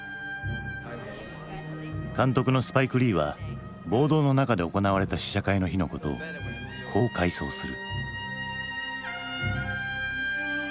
監督のスパイク・リーは暴動の中で行われた試写会の日のことをこう回想する。